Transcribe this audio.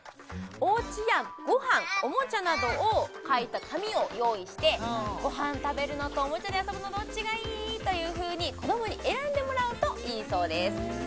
おうちやごはんおもちゃなどを描いた紙を用意してごはん食べるのとおもちゃで遊ぶのどっちがいい？というふうに子どもに選んでもらうといいそうです